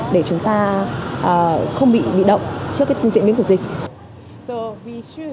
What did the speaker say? để chúng ta không bị bị động trước cái diễn biến của dịch